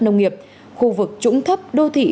nông nghiệp khu vực trũng thấp đô thị